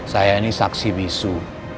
saya ini saksi bisu